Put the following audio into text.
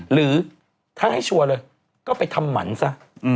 หรือถ้าให้ชัวร์เลยก็ไปทำหมันซะ